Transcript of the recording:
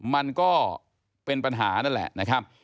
มันก็เป็นปัญหานั่นแหละนะครับ